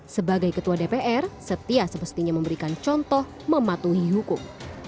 sebagai ketua dpr setia semestinya memberikan contoh mematuhi hukum